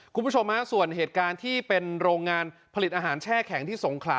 คุณผู้ชมฮะส่วนเหตุการณ์ที่เป็นโรงงานผลิตอาหารแช่แข็งที่สงขลา